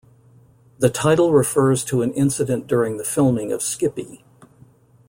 The title refers to an incident during the filming of "Skippy".